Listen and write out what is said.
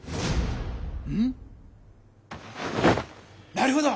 なるほど！